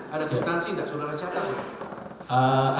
ada suitansi tidak saudara catat